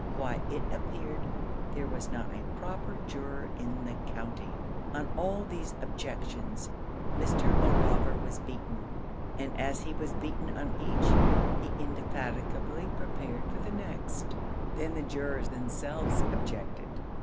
Why, it appeared there was not a proper juror in the county! On all these objections Mr. O'Laugher was beaten; and as he was beaten on each, he indefatigably prepared for the next. Then the jurors themselves objected.